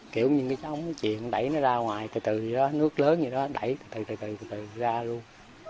kiểu như cái ống chiền đẩy nó ra ngoài từ từ gì đó nước lớn gì đó đẩy từ từ từ từ từ từ ra luôn